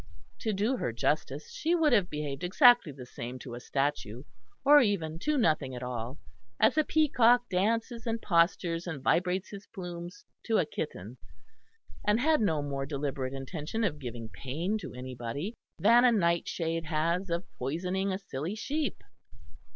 To do her justice, she would have behaved exactly the same to a statue, or even to nothing at all, as a peacock dances and postures and vibrates his plumes to a kitten; and had no more deliberate intention of giving pain to anybody than a nightshade has of poisoning a silly sheep.